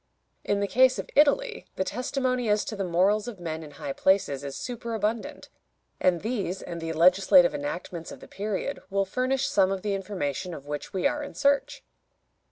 In the case of Italy the testimony as to the morals of men in high places is superabundant, and these and the legislative enactments of the period will furnish some of the information of which we are in search.